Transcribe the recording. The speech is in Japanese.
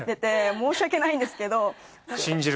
申し訳ないんですけど。